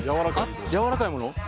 やわらかいもの？